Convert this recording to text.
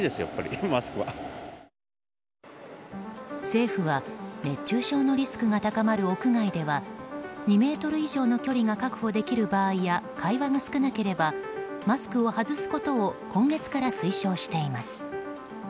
政府は熱中症のリスクが高まる屋外では２ｍ以上の距離が確保できる場合や会話が少なければマスクを外すことを今月から推奨しています。